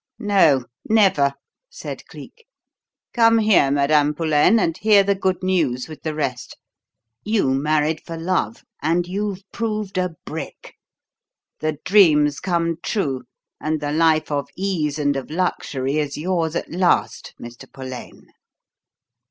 "No, never," said Cleek. "Come here, Madame Pullaine, and hear the good news with the rest. You married for love, and you've proved a brick. The dream's come true, and the life of ease and of luxury is yours at last, Mr. Pullaine."